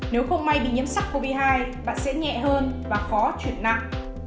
nếu không may bị nhiễm sars cov hai bạn sẽ nhẹ hơn và khó chuyển nặng